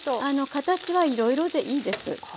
形はいろいろでいいです。